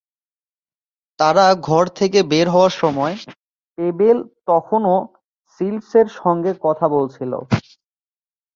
তারা ঘর থেকে বের হওয়ার সময়, পেবেল তখনও শিল্ডসের সঙ্গে কথা বলছিল।